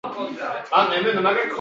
Bemorning ahvoli hozirda yaxshi.